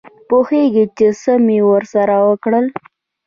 پوهېږې چې څه مې ورسره وکړل.